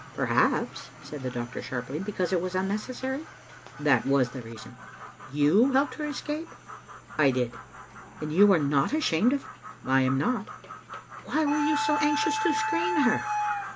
" Perhaps," said the doctor, sharply, "because it was unnecessary?" "That was the reason." " You helped her to escape?'* "I did." " And you are not ashamed of it? "I am not." " Why were you so anxious to screen her?'